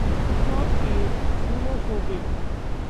Tom is xenophobic.